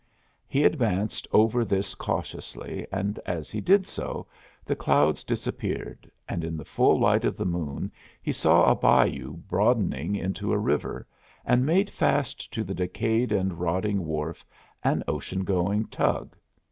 He advanced over this cautiously, and as he did so the clouds disappeared, and in the full light of the moon he saw a bayou broadening into a river, and made fast to the decayed and rotting wharf an ocean going tug.